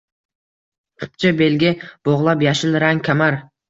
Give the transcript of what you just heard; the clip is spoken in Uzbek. Xipcha belga bog’lab yashil rang kamar